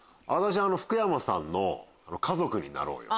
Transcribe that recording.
福山さんの『家族になろうよ』。